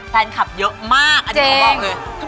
แฟนคลับเยอะมากอันนี้เขาบอกเลย